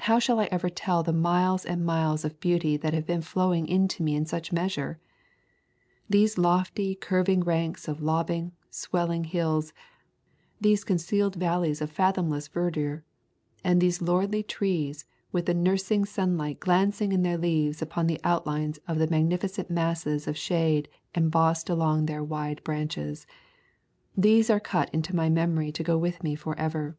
How shall I ever tell of the miles and miles of beauty that have been flowing into me in such measure? These lofty curving ranks of lobing, swelling hills, these concealed valleys of fathomless verdure, and these lordly trees with the nursing sunlight glancing in their leaves upon the outlines of the magnificent masses of shade embosomed among their wide branches — these are cut into my memory to go with me forever.